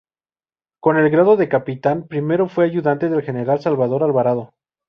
Con el grado de Capitán primero fue ayudante del general Salvador Alvarado.